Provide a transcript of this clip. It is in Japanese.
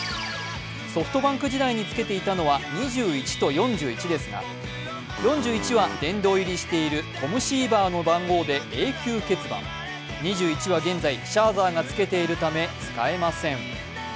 ソフトバンク時代に着けていたのは２１と４１ですが、４１は殿堂入りしているトム・シーバーの番号で永久欠番、２１は現在、シャーザーがつけているため使えません。